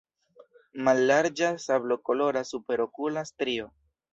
Mallarĝa sablokolora superokula strio.